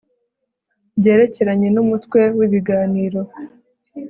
Byerekeranye numutwe wibiganiro